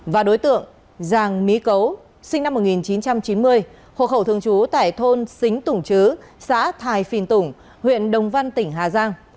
và đối tượng giàng mí cấu sinh năm một nghìn chín trăm chín mươi hộ khẩu thường trú tại thôn xính tùng chứ xã thài phìn tùng huyện đồng văn tỉnh hà giang